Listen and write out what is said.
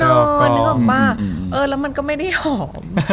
นึกออกปะแล้วมันก็ไม่ได้หอม